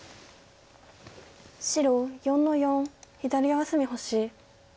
白４の四左上隅星。